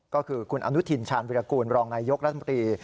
ก็คือคุณอนุทินชาญวิรากูลรองนายยกรัฐมนตรี